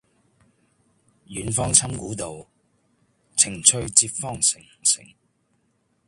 遠芳侵古道，晴翠接荒城。